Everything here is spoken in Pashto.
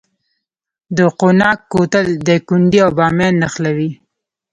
د قوناق کوتل دایکنډي او بامیان نښلوي